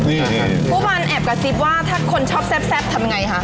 ผู้พันธ์แอบกระซิบว่าถ้าคนชอบแซ่บทำอย่างไรคะ